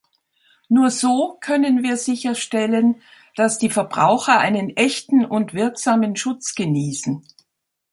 Nur so können wir sicherstellen, dass die Verbraucher einen echten und wirksamen Schutz genießen.